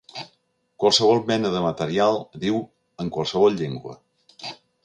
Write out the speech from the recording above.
Qualsevol mena de material, diu, en qualsevol llengua.